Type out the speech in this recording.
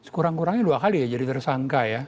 kurang kurangnya dua kali ya jadi tersangka ya